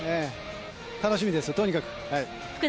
楽しみです、とにかく。